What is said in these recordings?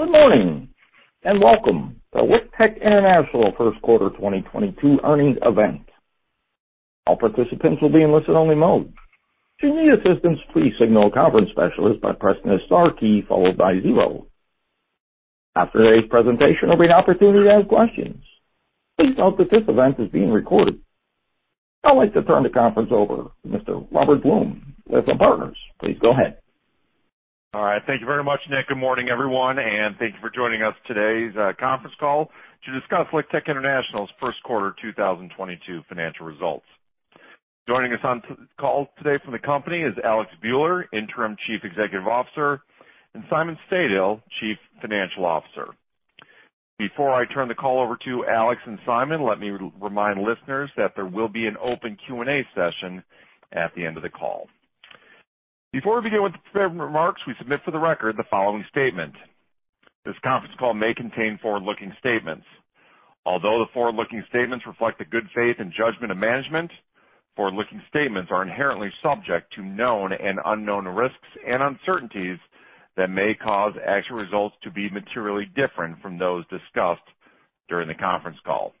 Good morning, and welcome to LiqTech International First Quarter 2022 Earnings call. All participants will be in listen-only mode. Should you need assistance, please signal a conference specialist by pressing the star key followed by zero. After today's presentation, there'll be an opportunity to ask questions. Please note that this event is being recorded. I'd like to turn the conference over to Mr. Robert Blum with Lytham Partners. Please go ahead. All right. Thank you very much, Nick. Good morning, everyone, and thank you for joining us on today’s conference call to discuss LiqTech International's first quarter 2022 financial results. Joining us on the call today from the company is Alex Buehler, Interim Chief Executive Officer, and Simon Stadil, Chief Financial Officer. Before I turn the call over to Alex and Simon, let me remind listeners that there will be an open Q&A session at the end of the call. Before we begin with prepared remarks, we submit for the record the following statement. This conference call may contain forward-looking statements. Although the forward-looking statements reflect the good faith and judgment of management, forward-looking statements are inherently subject to known and unknown risks and uncertainties that may cause actual results to be materially different from those discussed during the conference call.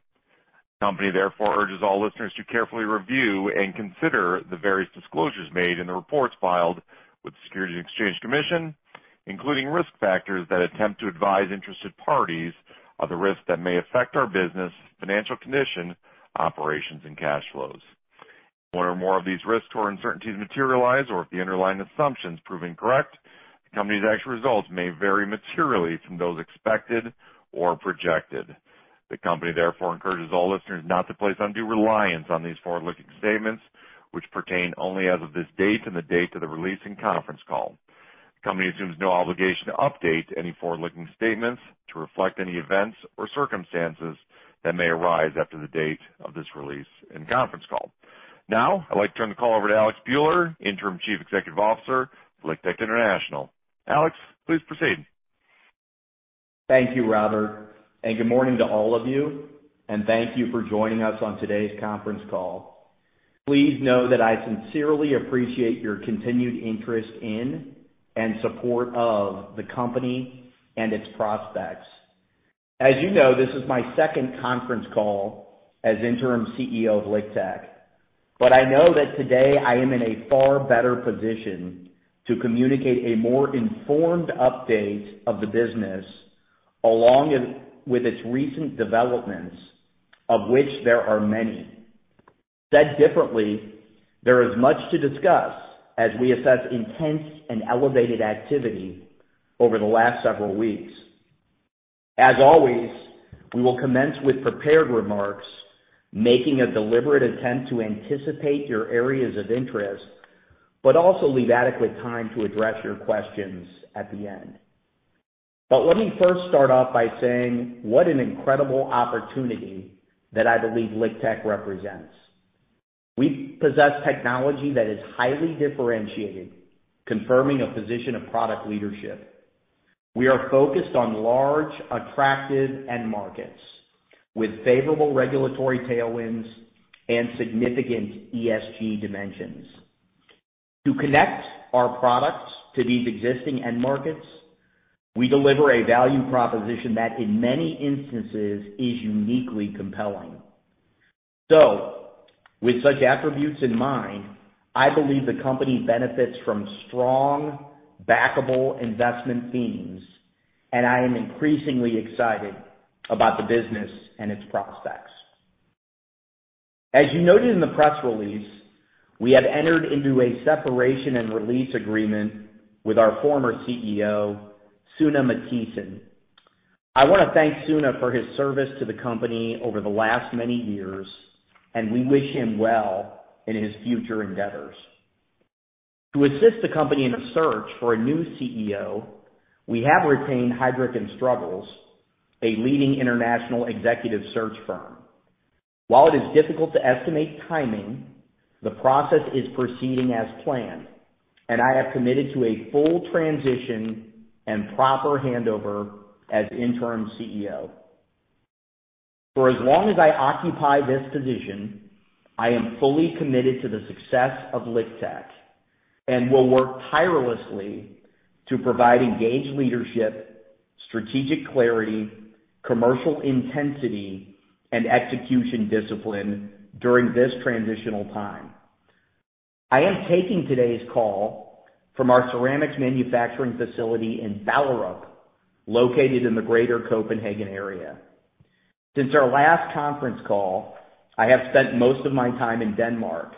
The company therefore urges all listeners to carefully review and consider the various disclosures made in the reports filed with the Securities and Exchange Commission, including risk factors that attempt to advise interested parties of the risks that may affect our business, financial condition, operations, and cash flows. One or more of these risks or uncertainties materialize, or if the underlying assumptions prove incorrect, the company's actual results may vary materially from those expected or projected. The company therefore encourages all listeners not to place undue reliance on these forward-looking statements, which pertain only as of this date and the date of the release and conference call. The company assumes no obligation to update any forward-looking statements to reflect any events or circumstances that may arise after the date of this release and conference call. Now, I'd like to turn the call over to Alex Buehler, Interim Chief Executive Officer of LiqTech International. Alex, please proceed. Thank you, Robert, and good morning to all of you, and thank you for joining us on today's conference call. Please know that I sincerely appreciate your continued interest in and support of the company and its prospects. As you know, this is my second conference call as interim CEO of LiqTech, but I know that today I am in a far better position to communicate a more informed update of the business along with its recent developments, of which there are many. Said differently, there is much to discuss as we assess intense and elevated activity over the last several weeks. As always, we will commence with prepared remarks, making a deliberate attempt to anticipate your areas of interest, but also leave adequate time to address your questions at the end. Let me first start off by saying what an incredible opportunity that I believe LiqTech represents. We possess technology that is highly differentiated, confirming a position of product leadership. We are focused on large, attractive end markets with favorable regulatory tailwinds and significant ESG dimensions. To connect our products to these existing end markets, we deliver a value proposition that, in many instances, is uniquely compelling. With such attributes in mind, I believe the company benefits from strong, backable investment themes, and I am increasingly excited about the business and its prospects. As you noted in the press release, we have entered into a separation and release agreement with our former CEO, Sune Mathiesen. I wanna thank Sune for his service to the company over the last many years, and we wish him well in his future endeavors. To assist the company in a search for a new CEO, we have retained Heidrick & Struggles, a leading international executive search firm. While it is difficult to estimate timing, the process is proceeding as planned, and I have committed to a full transition and proper handover as interim CEO. For as long as I occupy this position, I am fully committed to the success of LiqTech and will work tirelessly to provide engaged leadership, strategic clarity, commercial intensity, and execution discipline during this transitional time. I am taking today's call from our ceramics manufacturing facility in Ballerup, located in the greater Copenhagen area. Since our last conference call, I have spent most of my time in Denmark,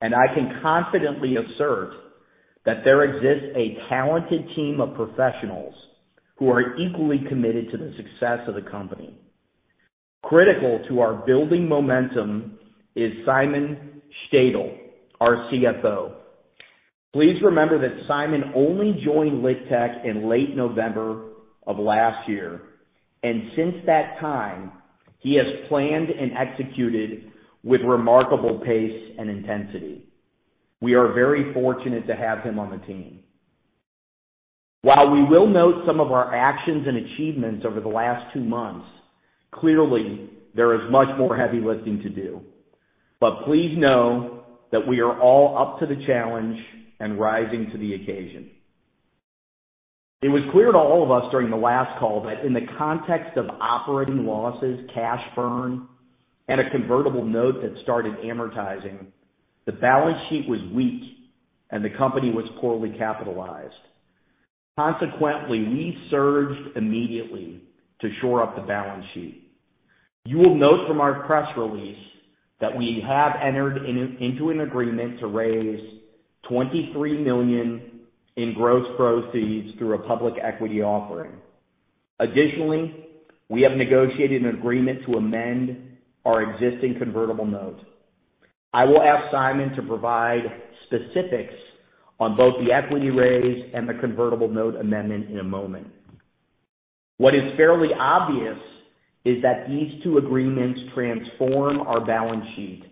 and I can confidently assert that there exists a talented team of professionals who are equally committed to the success of the company. Critical to our building momentum is Simon Stadil, our CFO. Please remember that Simon only joined LiqTech in late November of last year, and since that time, he has planned and executed with remarkable pace and intensity. We are very fortunate to have him on the team. While we will note some of our actions and achievements over the last two months, clearly there is much more heavy lifting to do. Please know that we are all up to the challenge and rising to the occasion. It was clear to all of us during the last call that in the context of operating losses, cash burn, and a convertible note that started amortizing, the balance sheet was weak and the company was poorly capitalized. Consequently, we surged immediately to shore up the balance sheet. You will note from our press release that we have entered into an agreement to raise $23 million in gross proceeds through a public equity offering. Additionally, we have negotiated an agreement to amend our existing convertible note. I will ask Simon to provide specifics on both the equity raise and the convertible note amendment in a moment. What is fairly obvious is that these two agreements transform our balance sheet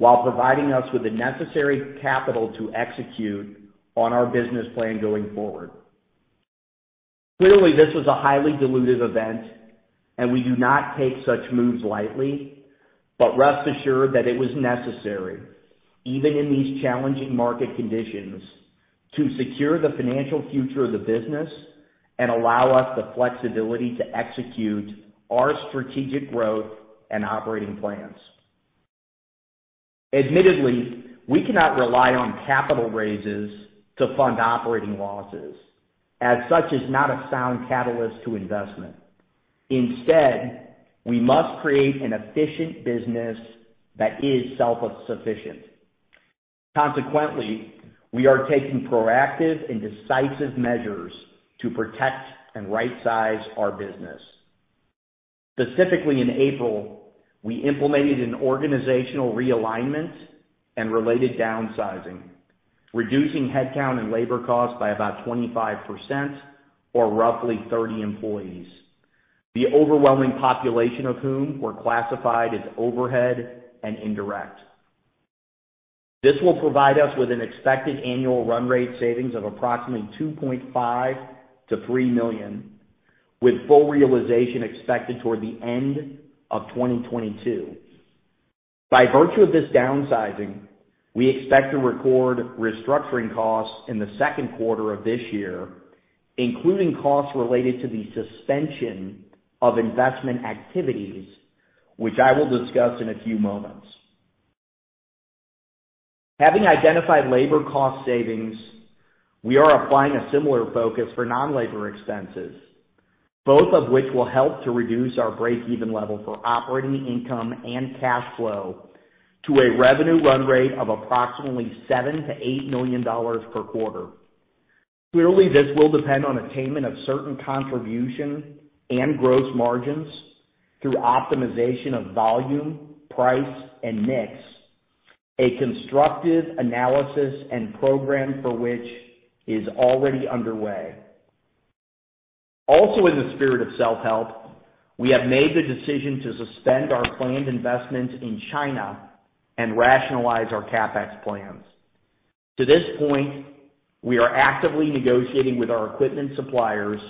while providing us with the necessary capital to execute on our business plan going forward. Clearly, this was a highly dilutive event, and we do not take such moves lightly. Rest assured that it was necessary, even in these challenging market conditions, to secure the financial future of the business and allow us the flexibility to execute our strategic growth and operating plans. Admittedly, we cannot rely on capital raises to fund operating losses as such is not a sound catalyst to investment. Instead, we must create an efficient business that is self-sufficient. Consequently, we are taking proactive and decisive measures to protect and right-size our business. Specifically, in April, we implemented an organizational realignment and related downsizing, reducing headcount and labor costs by about 25% or roughly 30 employees, the overwhelming population of whom were classified as overhead and indirect. This will provide us with an expected annual run rate savings of approximately $2.5 million-$3 million, with full realization expected toward the end of 2022. By virtue of this downsizing, we expect to record restructuring costs in the second quarter of this year, including costs related to the suspension of investment activities, which I will discuss in a few moments. Having identified labor cost savings, we are applying a similar focus for non-labor expenses, both of which will help to reduce our break-even level for operating income and cash flow to a revenue run rate of approximately $7 million-$8 million per quarter. Clearly, this will depend on attainment of certain contribution and gross margins through optimization of volume, price, and mix, a constructive analysis and program for which is already underway. Also, in the spirit of self-help, we have made the decision to suspend our planned investments in China and rationalize our CapEx plans. To this point, we are actively negotiating with our equipment suppliers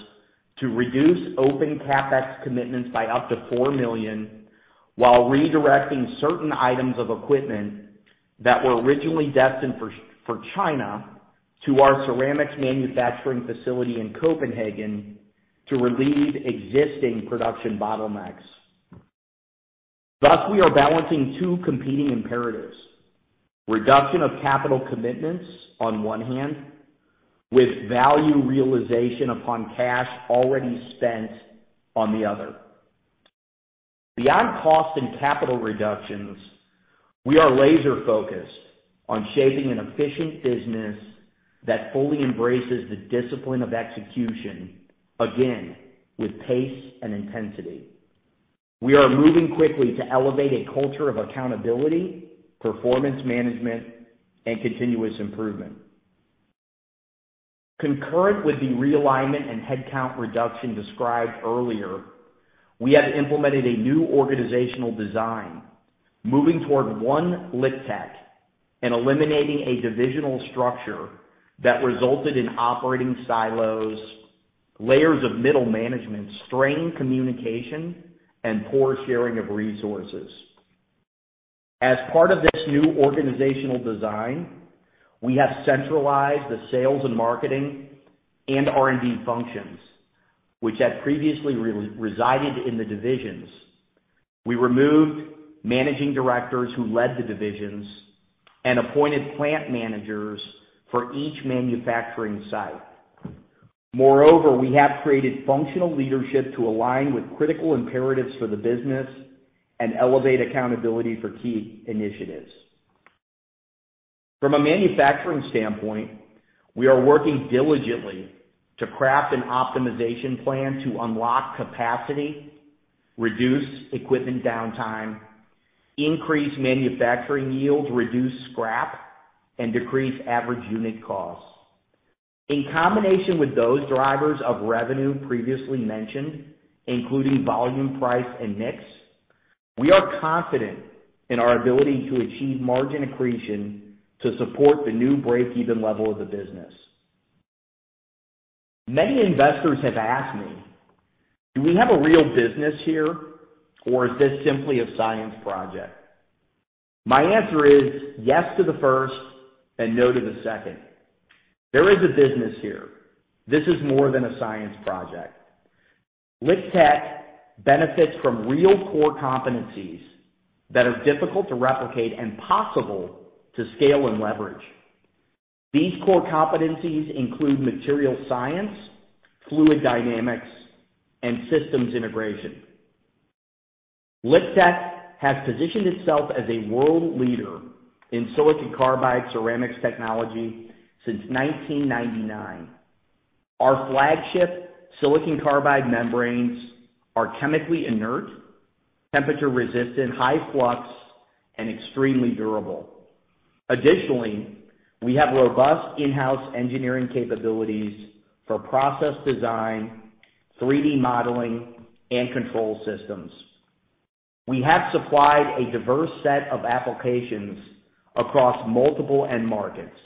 to reduce open CapEx commitments by up to $4 million while redirecting certain items of equipment that were originally destined for China to our ceramics manufacturing facility in Copenhagen to relieve existing production bottlenecks. Thus, we are balancing two competing imperatives. Reduction of capital commitments on one hand with value realization upon cash already spent on the other. Beyond cost and capital reductions, we are laser-focused on shaping an efficient business that fully embraces the discipline of execution, again with pace and intensity. We are moving quickly to elevate a culture of accountability, performance management, and continuous improvement. Concurrent with the realignment and headcount reduction described earlier, we have implemented a new organizational design moving toward one LiqTech and eliminating a divisional structure that resulted in operating silos, layers of middle management, strained communication, and poor sharing of resources. As part of this new organizational design, we have centralized the sales and marketing and R&D functions, which had previously resided in the divisions. We removed managing directors who led the divisions and appointed plant managers for each manufacturing site. Moreover, we have created functional leadership to align with critical imperatives for the business and elevate accountability for key initiatives. From a manufacturing standpoint, we are working diligently to craft an optimization plan to unlock capacity, reduce equipment downtime, increase manufacturing yields, reduce scrap, and decrease average unit costs. In combination with those drivers of revenue previously mentioned, including volume, price, and mix, we are confident in our ability to achieve margin accretion to support the new break-even level of the business. Many investors have asked me, "Do we have a real business here, or is this simply a science project?" My answer is yes to the first and no to the second. There is a business here. This is more than a science project. LiqTech benefits from real core competencies that are difficult to replicate and possible to scale and leverage. These core competencies include material science, fluid dynamics, and systems integration. LiqTech has positioned itself as a world leader in silicon carbide ceramics technology since 1999. Our flagship silicon carbide membranes are chemically inert, temperature-resistant, high flux, and extremely durable. Additionally, we have robust in-house engineering capabilities for process design, 3D modeling, and control systems. We have supplied a diverse set of applications across multiple end markets,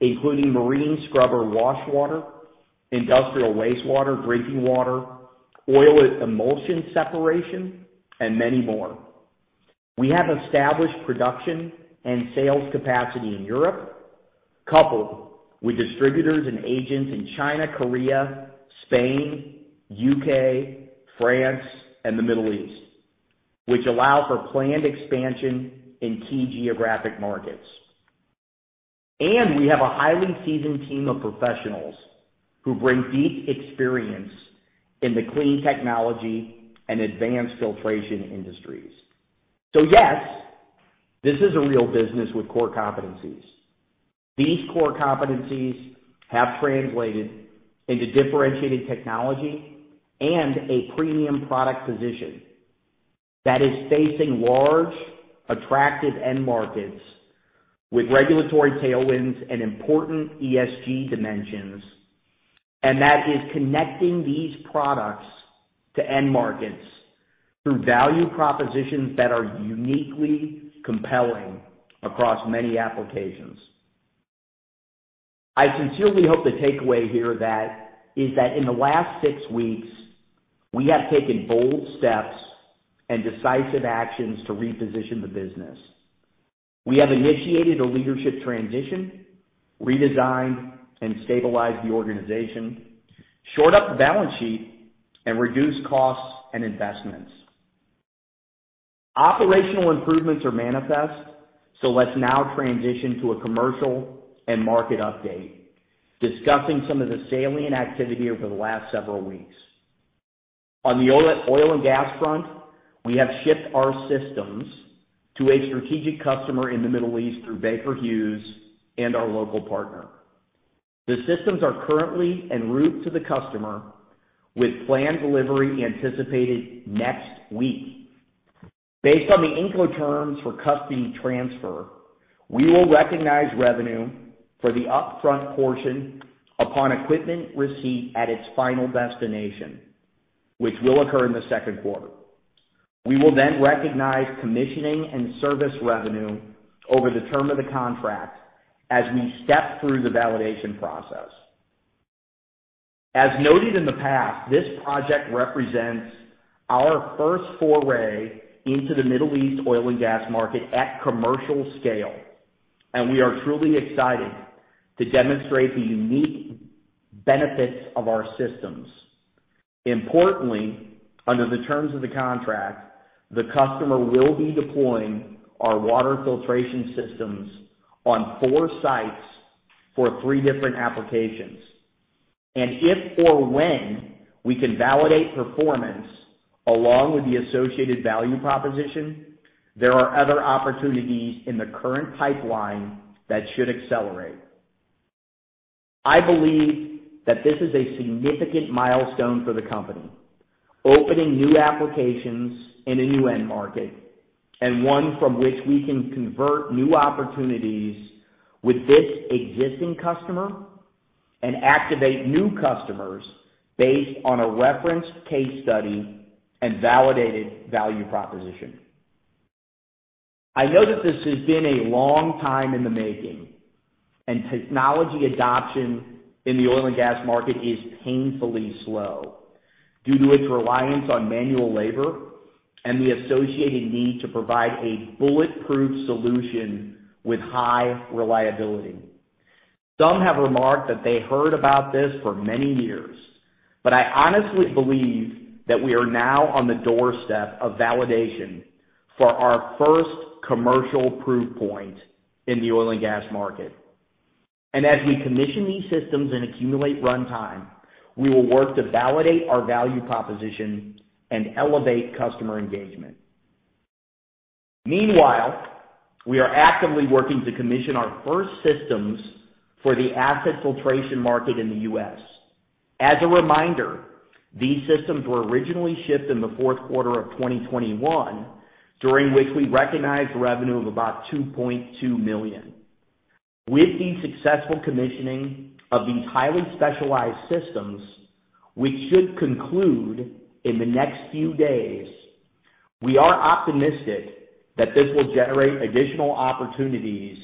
including marine scrubber wash water, industrial wastewater, drinking water, oil with emulsion separation, and many more. We have established production and sales capacity in Europe, coupled with distributors and agents in China, Korea, Spain, UK, France, and the Middle East, which allow for planned expansion in key geographic markets. We have a highly seasoned team of professionals who bring deep experience in the clean technology and advanced filtration industries. Yes, this is a real business with core competencies. These core competencies have translated into differentiated technology and a premium product position that is facing large, attractive end markets with regulatory tailwinds and important ESG dimensions. That is connecting these products to end markets through value propositions that are uniquely compelling across many applications. I sincerely hope the takeaway here is that in the last six weeks, we have taken bold steps and decisive actions to reposition the business. We have initiated a leadership transition, redesigned and stabilized the organization, shored up the balance sheet, and reduced costs and investments. Operational improvements are manifest, so let's now transition to a commercial and market update, discussing some of the salient activity over the last several weeks. On the oil and gas front, we have shipped our systems to a strategic customer in the Middle East through Baker Hughes and our local partner. The systems are currently en route to the customer, with planned delivery anticipated next week. Based on the Incoterms for custody transfer, we will recognize revenue for the upfront portion upon equipment receipt at its final destination, which will occur in the second quarter. We will then recognize commissioning and service revenue over the term of the contract as we step through the validation process. As noted in the past, this project represents our first foray into the Middle East oil and gas market at commercial scale, and we are truly excited to demonstrate the unique benefits of our systems. Importantly, under the terms of the contract, the customer will be deploying our water filtration systems on four sites for three different applications. If or when we can validate performance along with the associated value proposition, there are other opportunities in the current pipeline that should accelerate. I believe that this is a significant milestone for the company, opening new applications in a new end market and one from which we can convert new opportunities with this existing customer and activate new customers based on a referenced case study and validated value proposition. I know that this has been a long time in the making, and technology adoption in the oil and gas market is painfully slow due to its reliance on manual labor and the associated need to provide a bulletproof solution with high reliability. Some have remarked that they heard about this for many years, but I honestly believe that we are now on the doorstep of validation for our first commercial proof point in the oil and gas market. As we commission these systems and accumulate runtime, we will work to validate our value proposition and elevate customer engagement. Meanwhile, we are actively working to commission our first systems for the water filtration market in the U.S. As a reminder, these systems were originally shipped in the fourth quarter of 2021, during which we recognized revenue of about $2.2 million. With the successful commissioning of these highly specialized systems, which should conclude in the next few days. We are optimistic that this will generate additional opportunities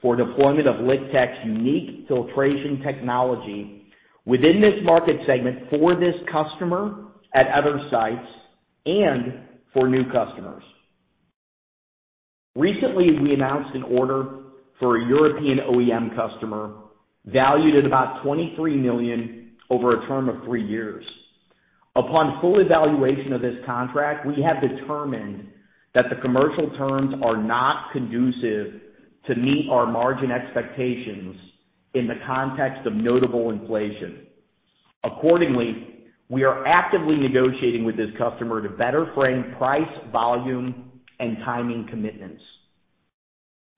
for deployment of LiqTech's unique filtration technology within this market segment for this customer at other sites and for new customers. Recently, we announced an order for a European OEM customer valued at about $23 million over a term of 3 years. Upon full evaluation of this contract, we have determined that the commercial terms are not conducive to meet our margin expectations in the context of notable inflation. Accordingly, we are actively negotiating with this customer to better frame price, volume, and timing commitments.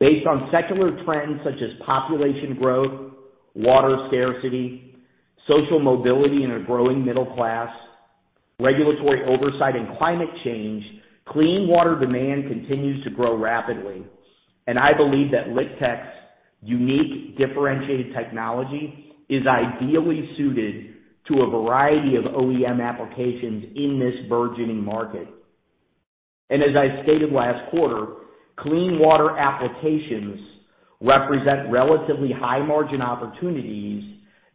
Based on secular trends such as population growth, water scarcity, social mobility in a growing middle class, regulatory oversight, and climate change, clean water demand continues to grow rapidly, and I believe that LiqTech's unique differentiated technology is ideally suited to a variety of OEM applications in this burgeoning market. As I stated last quarter, clean water applications represent relatively high margin opportunities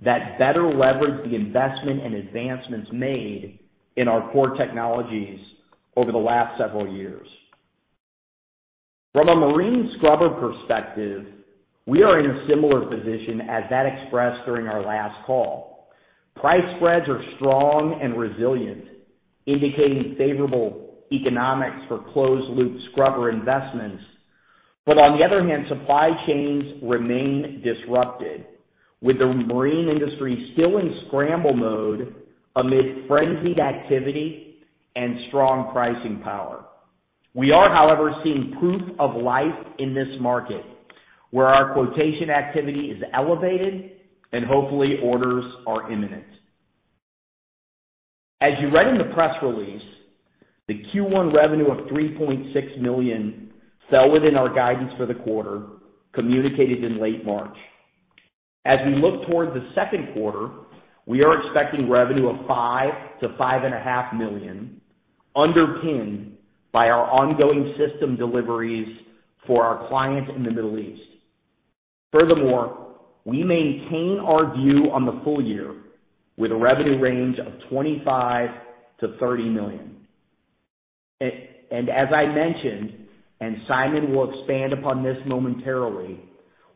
that better leverage the investment and advancements made in our core technologies over the last several years. From a marine scrubber perspective, we are in a similar position as that expressed during our last call. Price spreads are strong and resilient, indicating favorable economics for closed-loop scrubber investments. On the other hand, supply chains remain disrupted, with the marine industry still in scramble mode amid frenzied activity and strong pricing power. We are, however, seeing proof of life in this market, where our quotation activity is elevated and hopefully orders are imminent. As you read in the press release, the Q1 revenue of $3.6 million fell within our guidance for the quarter communicated in late March. As we look towards the second quarter, we are expecting revenue of $5 million-$5.5 million, underpinned by our ongoing system deliveries for our clients in the Middle East. Furthermore, we maintain our view on the full year with a revenue range of $25 million-$30 million. As I mentioned, Simon will expand upon this momentarily,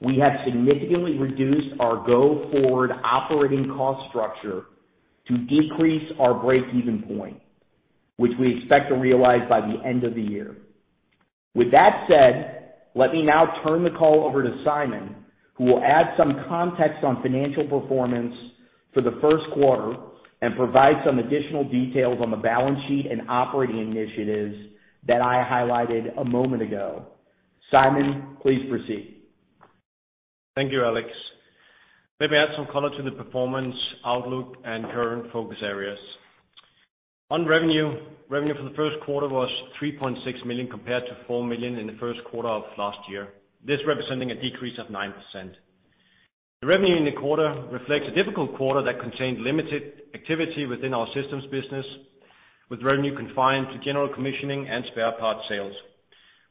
we have significantly reduced our go-forward operating cost structure to decrease our break-even point, which we expect to realize by the end of the year. With that said, let me now turn the call over to Simon, who will add some context on financial performance for the first quarter and provide some additional details on the balance sheet and operating initiatives that I highlighted a moment ago. Simon, please proceed. Thank you, Alex. Let me add some color to the performance outlook and current focus areas. On revenue for the first quarter was $3.6 million compared to $4 million in the first quarter of last year, this representing a decrease of 9%. The revenue reflects a difficult quarter that contained limited activity within our systems business, with revenue confined to general commissioning and spare parts sales,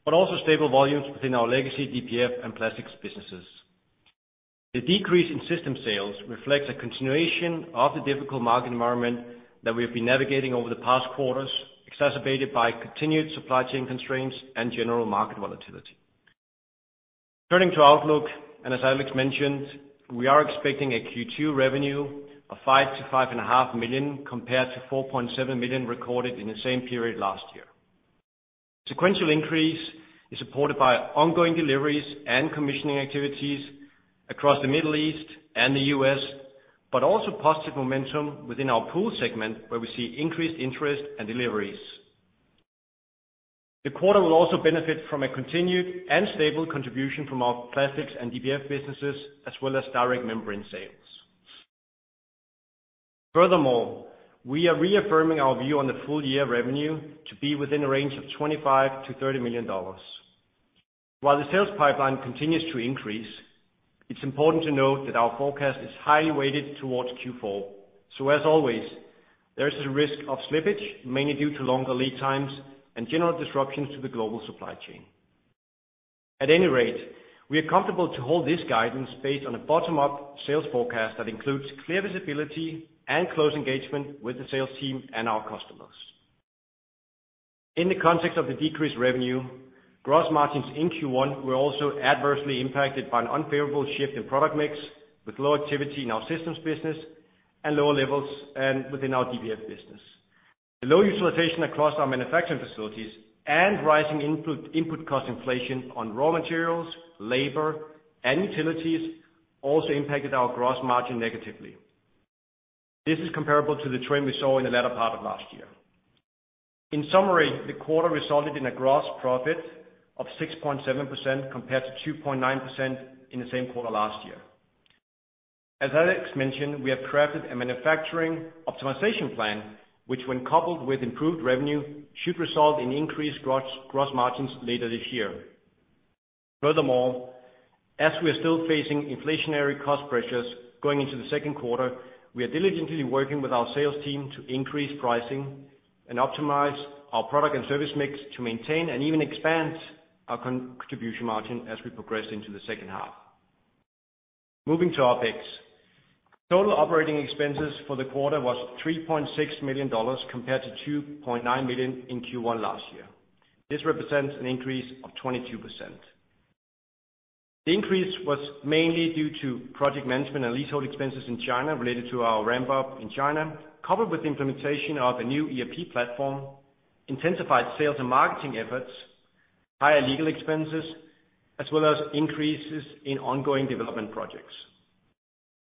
but also stable volumes within our legacy DPF and plastics businesses. The decrease in system sales reflects a continuation of the difficult market environment that we have been navigating over the past quarters, exacerbated by continued supply chain constraints and general market volatility. Turning to outlook, as Alex mentioned, we are expecting a Q2 revenue of $5 million-$5.5 million compared to $4.7 million recorded in the same period last year. Sequential increase is supported by ongoing deliveries and commissioning activities across the Middle East and the U.S., but also positive momentum within our pool segment where we see increased interest and deliveries. The quarter will also benefit from a continued and stable contribution from our plastics and DPF businesses, as well as direct membrane sales. Furthermore, we are reaffirming our view on the full year revenue to be within a range of $25 million-$30 million. While the sales pipeline continues to increase, it's important to note that our forecast is highly weighted towards Q4. So as always, there's a risk of slippage, mainly due to longer lead times and general disruptions to the global supply chain. At any rate, we are comfortable to hold this guidance based on a bottom-up sales forecast that includes clear visibility and close engagement with the sales team and our customers. In the context of the decreased revenue, gross margins in Q1 were also adversely impacted by an unfavorable shift in product mix, with low activity in our systems business and lower levels within our DPF business. The low utilization across our manufacturing facilities and rising input cost inflation on raw materials, labor, and utilities also impacted our gross margin negatively. This is comparable to the trend we saw in the latter part of last year. In summary, the quarter resulted in a gross profit of 6.7% compared to 2.9% in the same quarter last year. As Alex mentioned, we have crafted a manufacturing optimization plan, which when coupled with improved revenue, should result in increased gross margins later this year. Furthermore, as we are still facing inflationary cost pressures going into the second quarter, we are diligently working with our sales team to increase pricing and optimize our product and service mix to maintain and even expand our contribution margin as we progress into the second half. Moving to OpEx. Total operating expenses for the quarter was $3.6 million compared to $2.9 million in Q1 last year. This represents an increase of 22%. The increase was mainly due to project management and leasehold expenses in China related to our ramp up in China, coupled with the implementation of the new ERP platform, intensified sales and marketing efforts, higher legal expenses, as well as increases in ongoing development projects.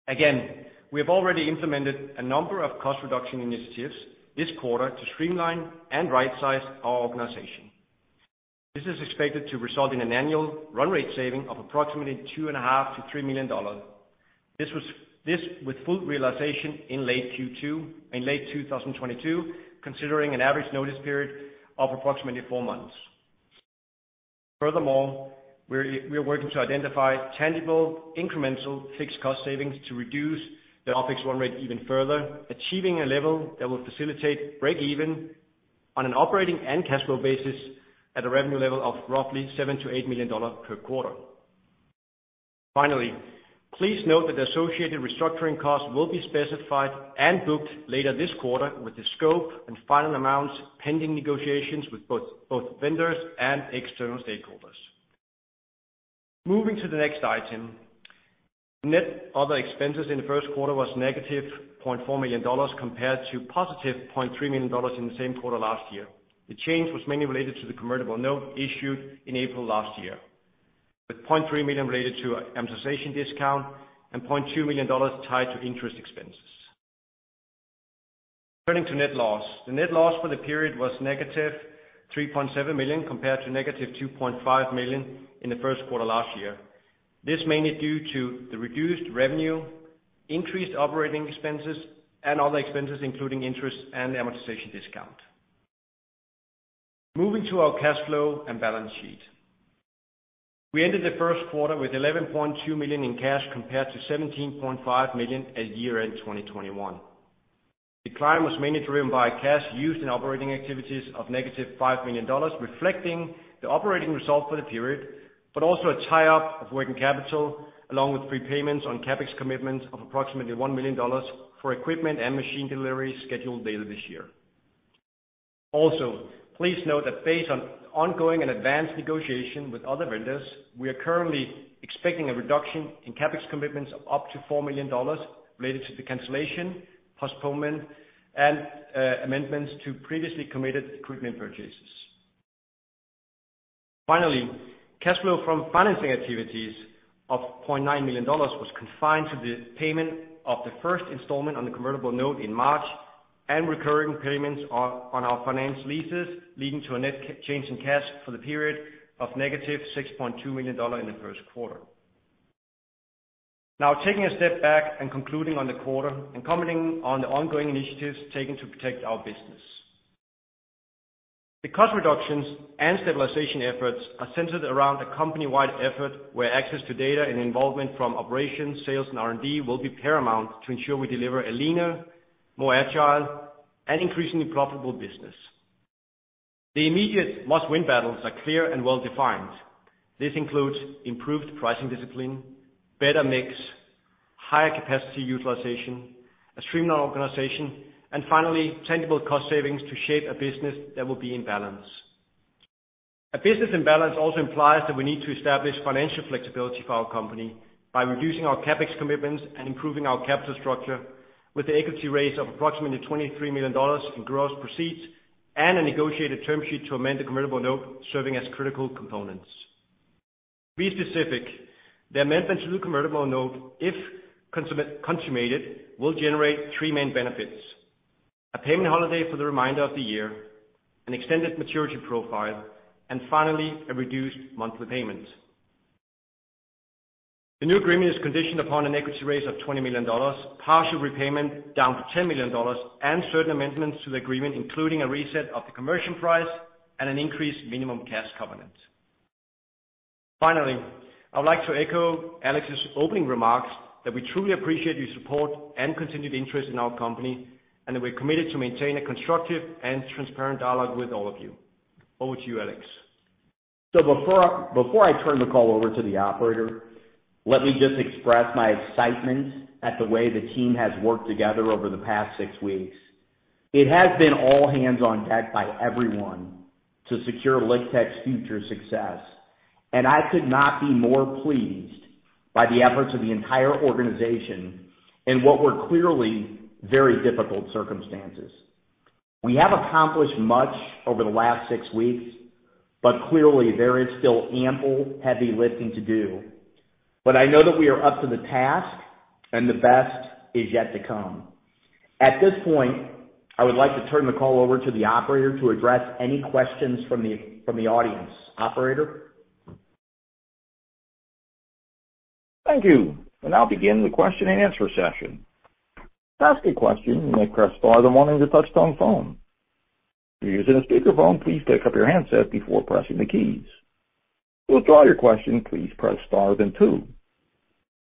Again, we have already implemented a number of cost reduction initiatives this quarter to streamline and right-size our organization. This is expected to result in an annual run rate saving of approximately $2.5-$3 million. This with full realization in late Q2 in late 2022, considering an average notice period of approximately four months. Furthermore, we're working to identify tangible, incremental fixed cost savings to reduce the OpEx run rate even further, achieving a level that will facilitate break even on an operating and cash flow basis at a revenue level of roughly $7-$8 million per quarter. Finally, please note that the associated restructuring costs will be specified and booked later this quarter with the scope and final amounts pending negotiations with both vendors and external stakeholders. Moving to the next item. Net other expenses in the first quarter were -$0.4 million compared to $0.3 million in the same quarter last year. The change was mainly related to the convertible note issued in April last year, with $0.3 million related to amortization discount and $0.2 million tied to interest expenses. Turning to net loss. The net loss for the period was -$3.7 million compared to -$2.5 million in the first quarter last year. This was mainly due to the reduced revenue, increased operating expenses, and other expenses, including interest and amortization discount. Moving to our cash flow and balance sheet. We ended the first quarter with $11.2 million in cash compared to $17.5 million at year-end 2021. The decline was mainly driven by cash used in operating activities of negative $5 million, reflecting the operating result for the period, but also a tie-up of working capital along with prepayments on CapEx commitments of approximately $1 million for equipment and machine deliveries scheduled later this year. Also, please note that based on ongoing and advanced negotiation with other vendors, we are currently expecting a reduction in CapEx commitments of up to $4 million related to the cancellation, postponement, and amendments to previously committed equipment purchases. Finally, cash flow from financing activities of $0.9 million was confined to the payment of the first installment on the convertible note in March and recurring payments on our finance leases, leading to a net change in cash for the period of negative $6.2 million in the first quarter. Now, taking a step back and concluding on the quarter and commenting on the ongoing initiatives taken to protect our business. The cost reductions and stabilization efforts are centered around a company-wide effort where access to data and involvement from operations, sales, and R&D will be paramount to ensure we deliver a leaner, more agile, and increasingly profitable business. The immediate must-win battles are clear and well defined. This includes improved pricing discipline, better mix, higher capacity utilization, a streamlined organization, and finally, tangible cost savings to shape a business that will be in balance. A business in balance also implies that we need to establish financial flexibility for our company by reducing our CapEx commitments and improving our capital structure with the equity raise of approximately $23 million in gross proceeds and a negotiated term sheet to amend the convertible note serving as critical components. To be specific, the amendment to the convertible note, if consummated, will generate three main benefits. A payment holiday for the remainder of the year, an extended maturity profile, and finally, a reduced monthly payment. The new agreement is conditioned upon an equity raise of $20 million, partial repayment down to $10 million, and certain amendments to the agreement, including a reset of the conversion price and an increased minimum cash covenant. Finally, I would like to echo Alex's opening remarks that we truly appreciate your support and continued interest in our company, and that we're committed to maintain a constructive and transparent dialogue with all of you. Over to you, Alex. Before I turn the call over to the operator, let me just express my excitement at the way the team has worked together over the past 6 weeks. It has been all hands on deck by everyone to secure LiqTech's future success, and I could not be more pleased by the efforts of the entire organization in what were clearly very difficult circumstances. We have accomplished much over the last 6 weeks, but clearly there is still ample heavy lifting to do. I know that we are up to the task, and the best is yet to come. At this point, I would like to turn the call over to the operator to address any questions from the audience. Operator? Thank you. We'll now begin the question and answer session. To ask a question, you may press star then one on your touchtone phone. If you're using a speakerphone, please pick up your handset before pressing the keys. To withdraw your question, please press star then two.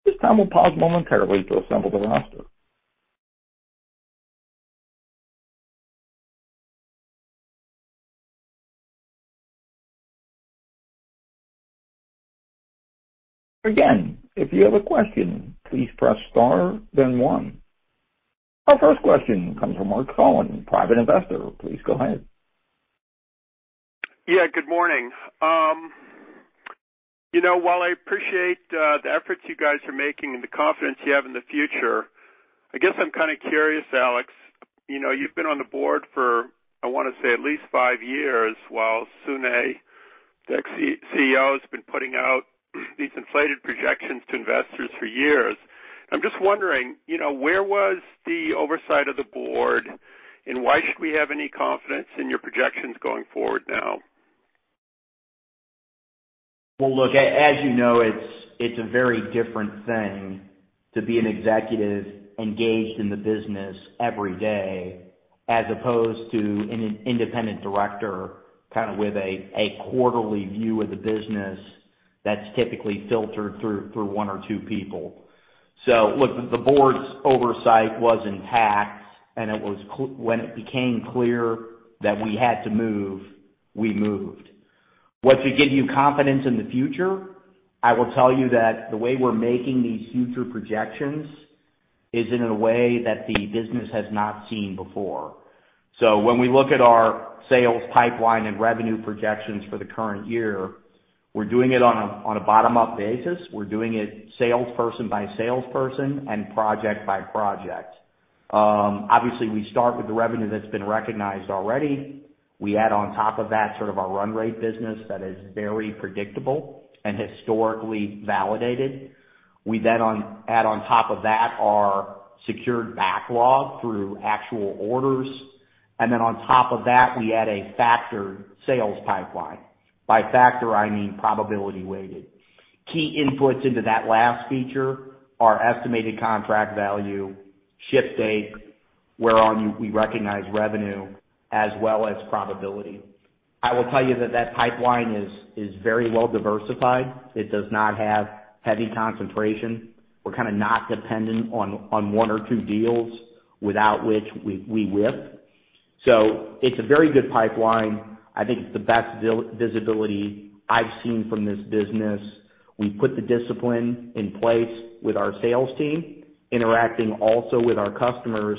This time we'll pause momentarily to assemble the roster. Again, if you have a question, please press star then one. Our first question comes from Mark Collin, private investor. Please go ahead. Yeah, good morning. You know, while I appreciate the efforts you guys are making and the confidence you have in the future, I guess I'm kinda curious, Alex. You know, you've been on the board for, I wanna say, at least five years while Sune, the ex-CEO, has been putting out these inflated projections to investors for years. I'm just wondering, you know, where was the oversight of the board, and why should we have any confidence in your projections going forward now? Well, look, as you know, it's a very different thing to be an executive engaged in the business every day as opposed to an independent director, kind of with a quarterly view of the business that's typically filtered through one or two people. Look, the board's oversight was intact. When it became clear that we had to move, we moved. What should give you confidence in the future, I will tell you that the way we're making these future projections is in a way that the business has not seen before. When we look at our sales pipeline and revenue projections for the current year, we're doing it on a bottom-up basis. We're doing it salesperson by salesperson and project by project. Obviously, we start with the revenue that's been recognized already. We add on top of that sort of our run rate business that is very predictable and historically validated. We then add on top of that our secured backlog through actual orders, and then on top of that, we add a factored sales pipeline. By factor, I mean, probability weighted. Key inputs into that last feature are estimated contract value, ship date, where we recognize revenue as well as probability. I will tell you that that pipeline is very well diversified. It does not have heavy concentration. We're kinda not dependent on one or two deals without which we whiff. It's a very good pipeline. I think it's the best visibility I've seen from this business. We put the discipline in place with our sales team, interacting also with our customers,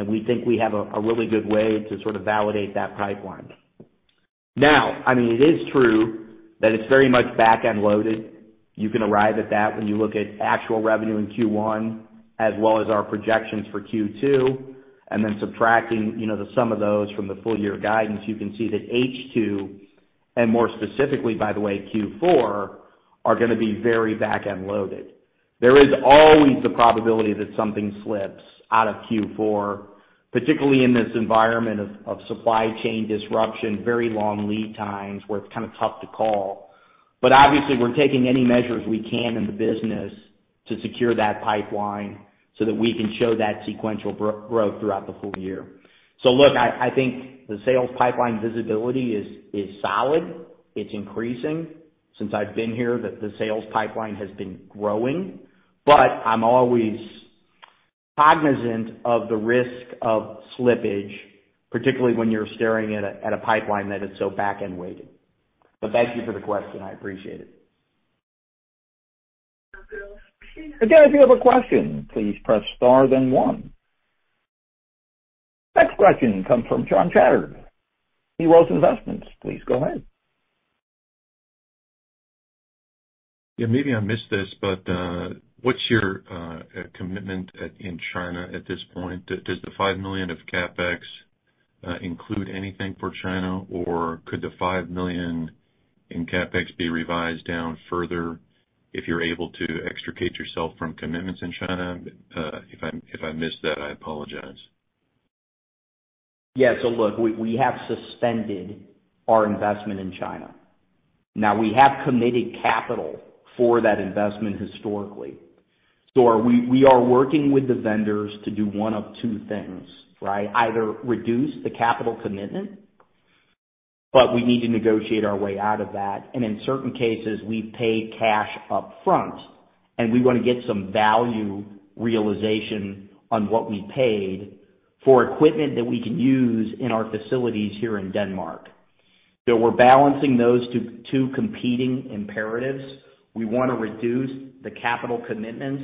and we think we have a really good way to sort of validate that pipeline. Now, I mean, it is true that it's very much back-end loaded. You can arrive at that when you look at actual revenue in Q1 as well as our projections for Q2, and then subtracting, you know, the sum of those from the full year guidance, you can see that H2, and more specifically, by the way, Q4, are gonna be very back-end loaded. There is always the probability that something slips out of Q4, particularly in this environment of supply chain disruption, very long lead times where it's kinda tough to call. Obviously, we're taking any measures we can in the business to secure that pipeline so that we can show that sequential growth throughout the full year. Look, I think the sales pipeline visibility is solid. It's increasing. Since I've been here, the sales pipeline has been growing. I'm always cognizant of the risk of slippage, particularly when you're staring at a pipeline that is so back-end weighted. Thank you for the question. I appreciate it. Again, if you have a question, please press star then one. Next question comes from John Chatter, New World Investments. Please go ahead. Yeah, maybe I missed this, but what's your commitment at, in China at this point? Does the $5 million of CapEx include anything for China? Or could the $5 million in CapEx be revised down further if you're able to extricate yourself from commitments in China? If I missed that, I apologize. Yeah. Look, we have suspended our investment in China. Now, we have committed capital for that investment historically. We are working with the vendors to do one of two things, right? Either reduce the capital commitment, but we need to negotiate our way out of that. In certain cases, we've paid cash up front, and we wanna get some value realization on what we paid for equipment that we can use in our facilities here in Denmark. We're balancing those two competing imperatives. We wanna reduce the capital commitments,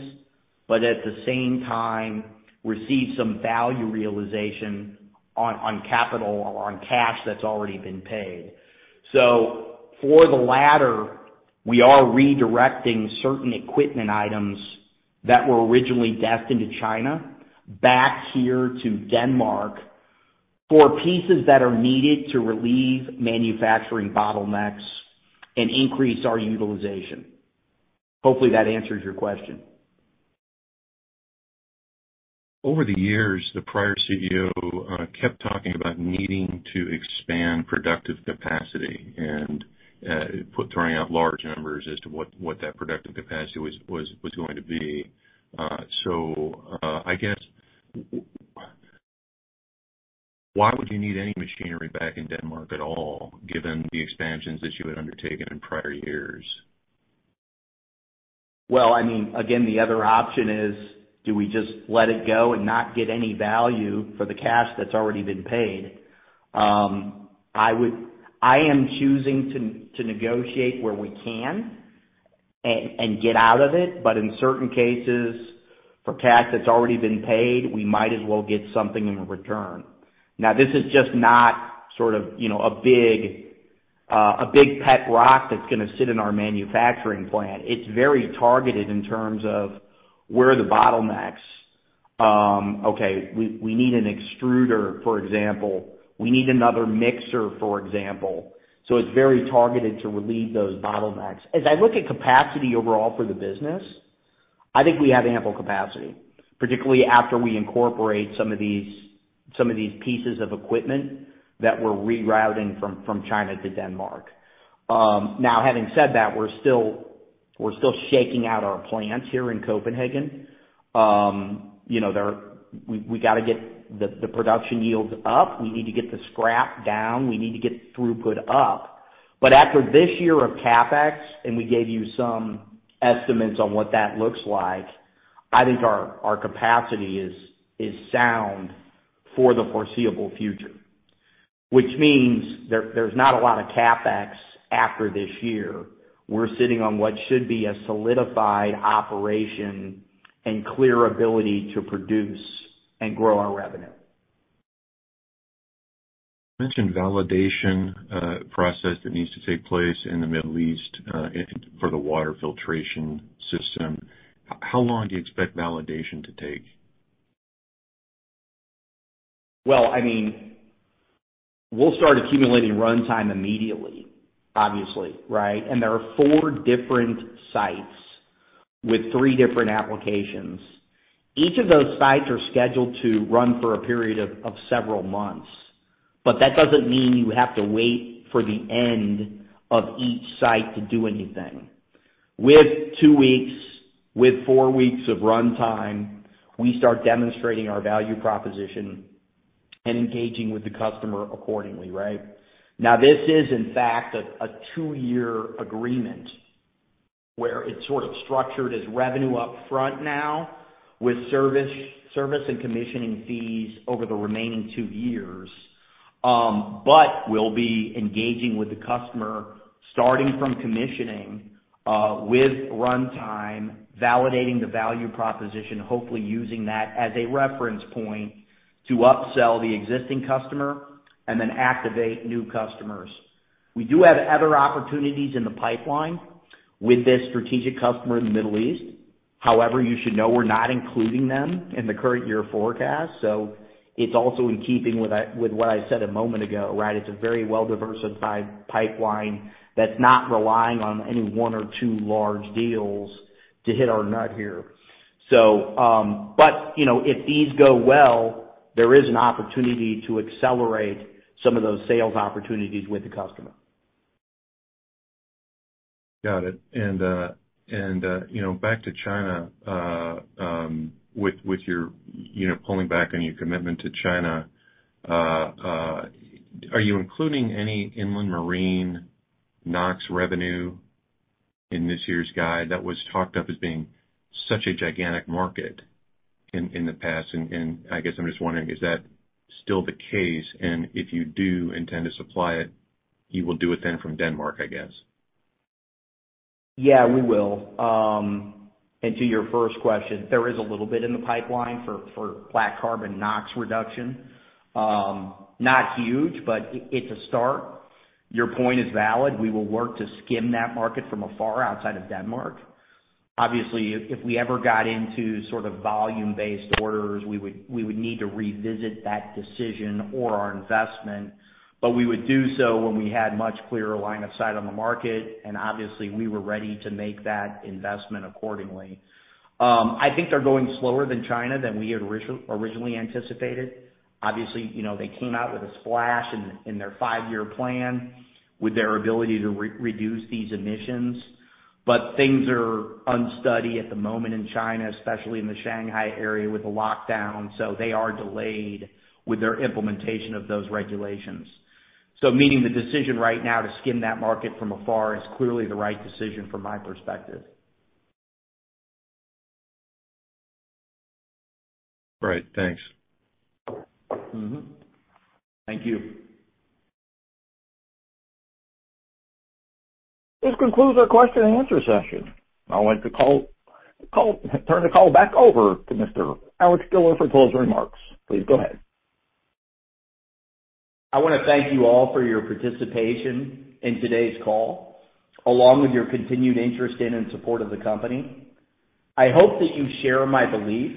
but at the same time receive some value realization on capital, on cash that's already been paid. For the latter, we are redirecting certain equipment items that were originally destined to China back here to Denmark for pieces that are needed to relieve manufacturing bottlenecks and increase our utilization. Hopefully, that answers your question. Over the years, the prior CEO kept talking about needing to expand productive capacity and throwing out large numbers as to what that productive capacity was going to be. I guess why would you need any machinery back in Denmark at all given the expansions that you had undertaken in prior years? Well, I mean, again, the other option is do we just let it go and not get any value for the cash that's already been paid? I am choosing to negotiate where we can and get out of it, but in certain cases, for cash that's already been paid, we might as well get something in return. Now, this is just not sort of, you know, a big pet rock that's gonna sit in our manufacturing plant. It's very targeted in terms of where are the bottlenecks. We need an extruder, for example. We need another mixer, for example. It's very targeted to relieve those bottlenecks. As I look at capacity overall for the business, I think we have ample capacity, particularly after we incorporate some of these pieces of equipment that we're rerouting from China to Denmark. Now having said that, we're still shaking out our plants here in Copenhagen. You know, we gotta get the production yields up. We need to get the scrap down. We need to get throughput up. After this year of CapEx, and we gave you some estimates on what that looks like, I think our capacity is sound for the foreseeable future, which means there's not a lot of CapEx after this year. We're sitting on what should be a solidified operation and clear ability to produce and grow our revenue. You mentioned validation process that needs to take place in the Middle East and for the water filtration system. How long do you expect validation to take? Well, I mean, we'll start accumulating runtime immediately, obviously, right? There are four different sites with three different applications. Each of those sites are scheduled to run for a period of several months, but that doesn't mean you have to wait for the end of each site to do anything. With two weeks, with four weeks of runtime, we start demonstrating our value proposition and engaging with the customer accordingly, right? Now, this is in fact a two-year agreement where it's sort of structured as revenue up front now with service and commissioning fees over the remaining two years. We'll be engaging with the customer starting from commissioning with runtime, validating the value proposition, hopefully using that as a reference point to upsell the existing customer and then activate new customers. We do have other opportunities in the pipeline with this strategic customer in the Middle East. However, you should know we're not including them in the current year forecast. It's also in keeping with what I said a moment ago, right? It's a very well-diversified pipeline that's not relying on any one or two large deals to hit our nut here. You know, if these go well, there is an opportunity to accelerate some of those sales opportunities with the customer. Got it. You know, back to China, with your, you know, pulling back on your commitment to China, are you including any inland marine NOx revenue in this year's guide that was talked up as being such a gigantic market in the past? I guess I'm just wondering, is that still the case? If you do intend to supply it, you will do it then from Denmark, I guess. Yeah, we will. To your first question, there is a little bit in the pipeline for black carbon NOx reduction. Not huge, but it's a start. Your point is valid. We will work to skim that market from afar outside of Denmark. Obviously, if we ever got into sort of volume-based orders, we would need to revisit that decision or our investment, but we would do so when we had much clearer line of sight on the market, and obviously, we were ready to make that investment accordingly. I think they're going slower in China than we had originally anticipated. Obviously, you know, they came out with a splash in their five-year plan with their ability to reduce these emissions. Things are unsteady at the moment in China, especially in the Shanghai area with the lockdown, so they are delayed with their implementation of those regulations. Meaning the decision right now to skim that market from afar is clearly the right decision from my perspective. Great. Thanks. Thank you. This concludes our question and answer session. I'd like to turn the call back over to Mr. Alexander Buehler for closing remarks. Please go ahead. I wanna thank you all for your participation in today's call, along with your continued interest in and support of the company. I hope that you share my belief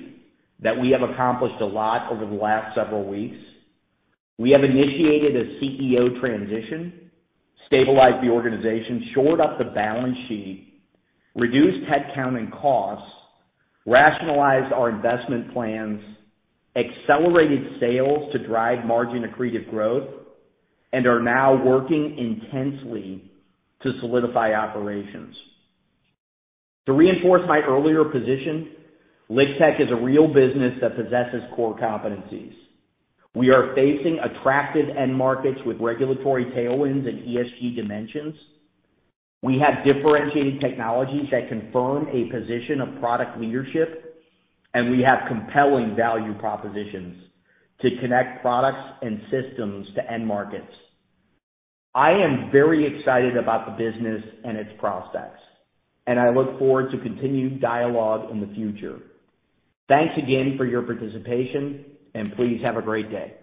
that we have accomplished a lot over the last several weeks. We have initiated a CEO transition, stabilized the organization, shored up the balance sheet, reduced headcount and costs, rationalized our investment plans, accelerated sales to drive margin accretive growth, and are now working intensely to solidify operations. To reinforce my earlier position, LiqTech is a real business that possesses core competencies. We are facing attractive end markets with regulatory tailwinds and ESG dimensions. We have differentiated technologies that confirm a position of product leadership, and we have compelling value propositions to connect products and systems to end markets. I am very excited about the business and its prospects, and I look forward to continued dialogue in the future. Thanks again for your participation, and please have a great day.